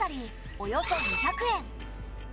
およそ２００円。